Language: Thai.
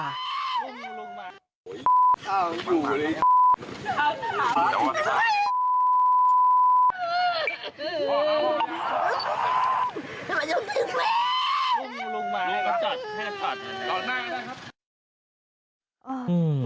หุ้มลงมา